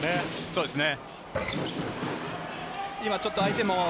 そうですね。